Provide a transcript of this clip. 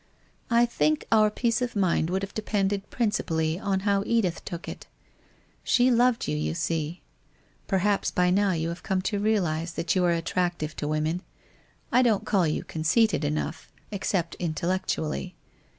I think our peace of mind would have depended prin cipally on how Edith took it? She loved you, you see? Perhaps by now you have come to realize that you are attractive to women — I don't call you conceited enough, except intellectually.